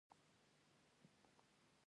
شیدې د ماشوم وده پیاوړې کوي